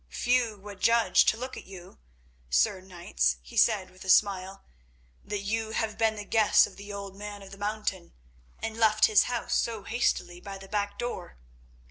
"Few would judge, to look at you, Sir Knights," he said with a smile, "that you have been the guests of the Old Man of the Mountain, and left his house so hastily by the back door.